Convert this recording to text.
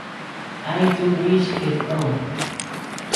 I do wish he’d come.